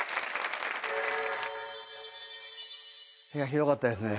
ひどかったですね。